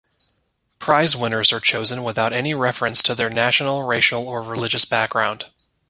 Prize winners are chosen without any reference to their national, racial or religious background.